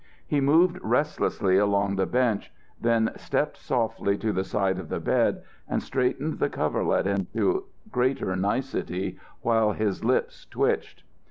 He moved restlessly along the bench, then stepped softly to the side of the bed and straightened the coverlet into greater nicety while his lips twitched.